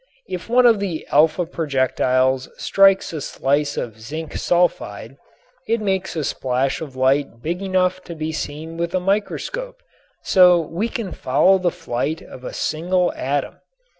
If one of the alpha projectiles strikes a slice of zinc sulfide it makes a splash of light big enough to be seen with a microscope, so we can now follow the flight of a single atom.